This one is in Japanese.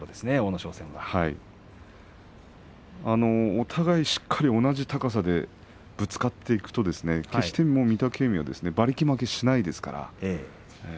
お互いしっかり同じ高さでぶつかっていくと御嶽海、馬力負けしませんから。